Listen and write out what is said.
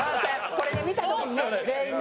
これね見た時にね全員ね。